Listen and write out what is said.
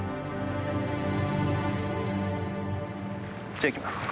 じゃあ行きます。